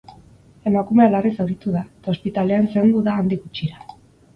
Emakumea larri zauritu da, eta ospitalean zendu da handik gutxira.